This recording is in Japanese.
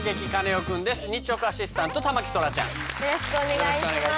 よろしくお願いします。